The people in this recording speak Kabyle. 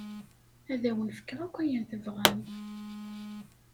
Ad awen-fkeɣ akk ayen tebɣam.